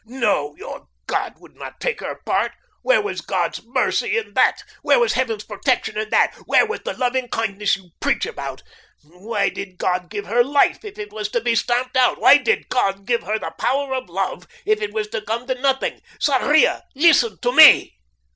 "No, your God would not take her part. Where was God's mercy in that? Where was Heaven's protection in that? Where was the loving kindness you preach about? Why did God give her life if it was to be stamped out? Why did God give her the power of love if it was to come to nothing? Sarria, listen to me.